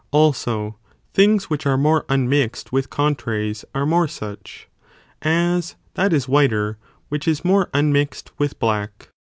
Also things which are more unmixed with contraries are more such, as that is whiter which is more unmixed with black.